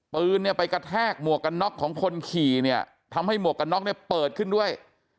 ปืนเนี่ยไปกระแทกหมวกกันน็อกของคนขี่เนี่ยทำให้หมวกกันน็อกเนี่ยเปิดขึ้นด้วย